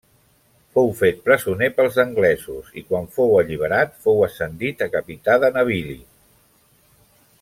Fou fet presoner pels anglesos, i quan fou alliberat fou ascendit a capità de navili.